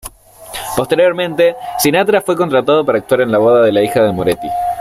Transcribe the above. Posteriormente, Sinatra fue contratado para actuar en la boda de la hija de Moretti.